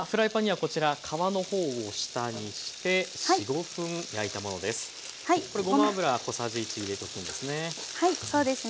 これごま油小さじ１入れとくんですね。